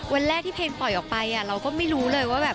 วันแรกที่เพลงปล่อยออกไปเราก็ไม่รู้เลยว่าแบบ